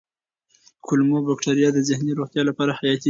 کولمو بکتریاوې د ذهني روغتیا لپاره حیاتي دي.